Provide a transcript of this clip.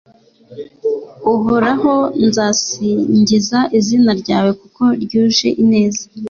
Uhoraho nzasingiza izina ryawe kuko ryuje ineza